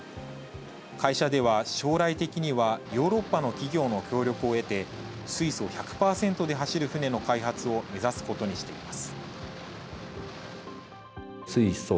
会社では将来的には、ヨーロッパの企業の協力を得て、水素１００％で走る船の開発を目指すことにしています。